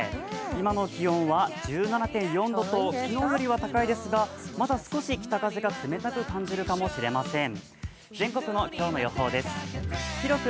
今の気温は１７．４度と昨日よりは高いですが、まだ少し北風が冷たく感じるかもしれません。